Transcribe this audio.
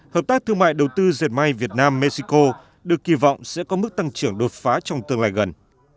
hợp tác thương mại đầu tư diệt may việt nam mexico được kỳ vọng sẽ có mức tăng trưởng đột phá trong tương lai gần